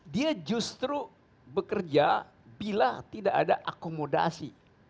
dia justru bekerja bila tidak ada akomodasi